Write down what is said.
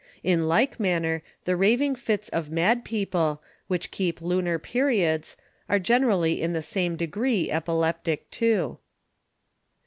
In like manner, the raving Fits of Mad People, which keep Lunar Periods, are generally in some degree Epileptic too.